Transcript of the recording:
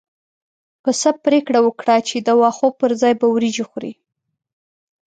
پسه پرېکړه وکړه چې د واښو پر ځای به وريجې خوري.